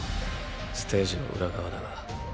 ステージの裏側だが。